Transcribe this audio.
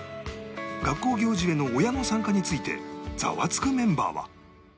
学校行事への親の参加について『ザワつく！』メンバーは